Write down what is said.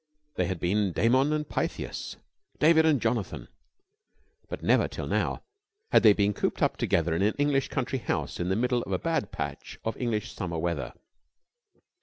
They had been Damon and Pythias, David and Jonathan. But never till now had they been cooped up together in an English country house in the middle of a bad patch of English summer weather.